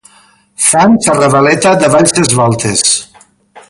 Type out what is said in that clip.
Fan sa ravaleta davall ses voltes